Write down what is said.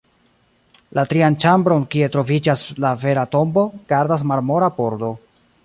La trian ĉambron, kie troviĝas la vera tombo, gardas marmora pordo.